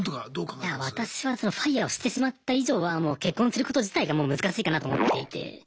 いや私はＦＩＲＥをしてしまった以上はもう結婚すること自体がもう難しいかなと思っていて。